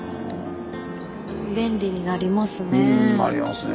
便利になりますね。